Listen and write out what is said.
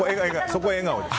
そこ笑顔で。